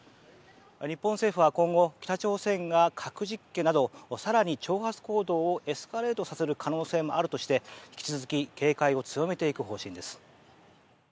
日本政府は今後北朝鮮が核実験など更に挑発行動をエスカレートさせる可能性もあるとして引き続き警戒を強めていく方針です。